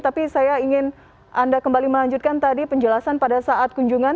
tapi saya ingin anda kembali melanjutkan tadi penjelasan pada saat kunjungan